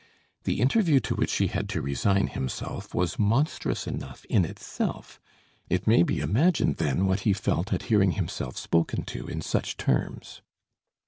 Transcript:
The interview to which he had to resign himself was monstrous enough in itself; it may be imagined, then, what he felt at hearing himself spoken to in such terms.